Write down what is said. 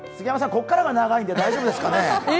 ここからが長いんで大丈夫ですかね。